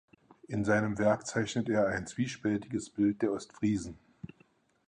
In seinem Werk zeichnet er ein zwiespältiges Bild der Ostfriesen.